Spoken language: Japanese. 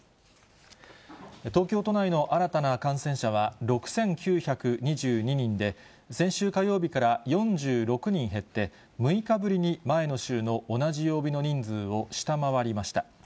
東京都内の新たな感染者は６９２２人で、先週火曜日から４６人減って、６日ぶりに前の週の同じ曜日の人数を下回りました。